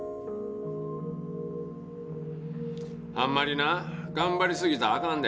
あんまりな頑張りすぎたらあかんで。